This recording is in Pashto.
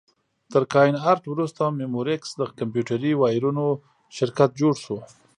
تر کاین ارټ وروسته مموریکس د کمپیوټري وایرونو شرکت جوړ شو.